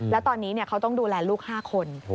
แล้วตอนนี้เขาต้องดูแลลูก๕คน